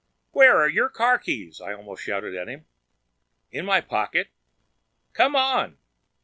"Where are your car keys?" I almost shouted at him. "In my pocket." "Come on!"